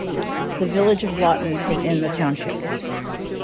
The village of Lawton is in the township.